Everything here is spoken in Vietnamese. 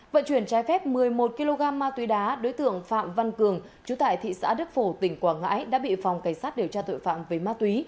vận chuyển trái phép một mươi một kg ma túy đá đối tượng phạm văn cường chú tại thị xã đức phổ tỉnh quảng ngãi đã bị phòng cảnh sát điều tra tội phạm về ma túy